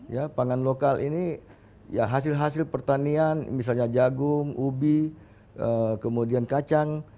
ya pangan lokal ini ya hasil hasil pertanian misalnya jagung ubi kemudian kacang